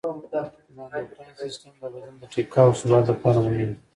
د اندوکراین سیستم د بدن د ټیکاو او ثبات لپاره مهم دی.